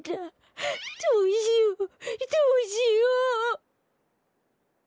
どうしようどうしよう。